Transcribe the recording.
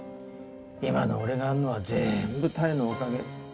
今の俺があるのは全部多江のおかげ。